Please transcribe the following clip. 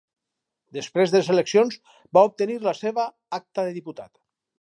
Després de les eleccions va obtenir la seva acta de diputat.